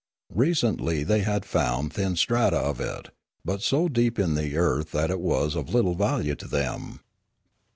Recently they had found thin strata of it, but so deep in the earth that it was of little value to them.